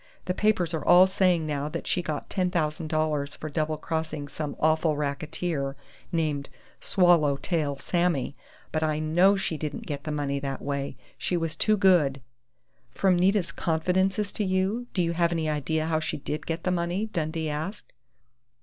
"The papers are all saying now that she got $10,000 for double crossing some awful racketeer named 'Swallow tail Sammy', but I know she didn't get the money that way! She was too good " "From Nita's confidences to you, do you have any idea how she did get the money?" Dundee asked.